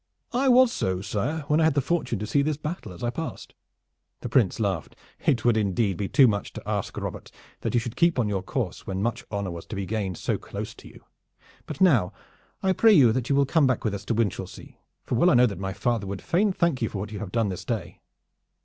"I was so, sire, when I had the fortune to see this battle as I passed." The Prince laughed. "It would indeed be to ask too much, Robert, that you should keep on your course when much honor was to be gathered so close to you. But now I pray you that you will come back with us to Winchelsea, for well I know that my father would fain thank you for what you have done this day."